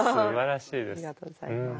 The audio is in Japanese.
ありがとうございます。